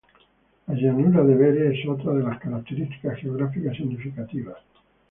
La llanura de Vere es otra de las características geográficas significativas.